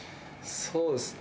そうですね。